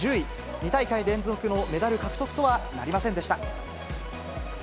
２大会連続のメダル獲得とはなりませんでした。